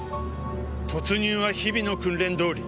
突入は日々の訓練どおり。